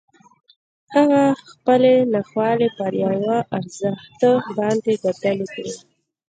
هغه خپلې ناخوالې پر یوه ارزښت باندې بدلې کړې